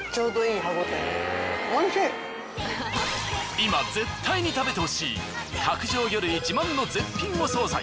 今絶対に食べてほしい角上魚類自慢の絶品お惣菜。